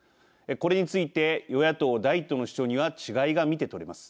これについて与野党第一党の主張には違いが見てとれます。